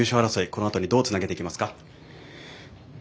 このあとにどうつなげていきますか。